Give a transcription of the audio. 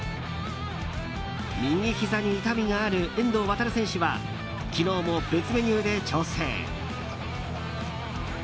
右ひざに痛みがある遠藤航選手は昨日も別メニューで調整。